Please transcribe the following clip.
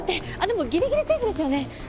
でもギリギリセーフですよね？